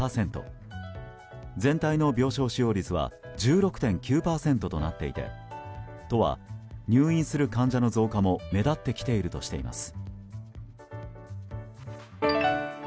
全体の病床使用率は１６．９％となっていて都は入院する患者の増加も目立ってきているとしています。